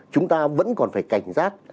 chúng ta vẫn còn phải cảnh giác